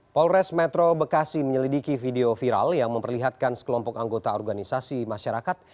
polres metro bekasi menyelidiki video viral yang memperlihatkan sekelompok anggota organisasi masyarakat